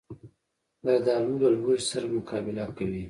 زردالو له لوږې سره مقابله کوي.